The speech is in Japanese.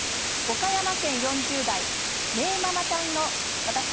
岡山県４０代。